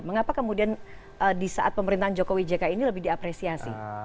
mengapa kemudian di saat pemerintahan jokowi jk ini lebih diapresiasi